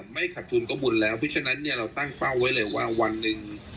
ไม่ขัดทุนก็บุญแล้วเพราะฉะนั้นเนี่ยเราตั้งเป้าไว้เลยว่าวันหนึ่ง